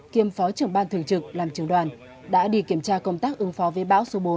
kiêm phó trưởng ban thường trực làm trường đoàn đã đi kiểm tra công tác ứng phó với bão số bốn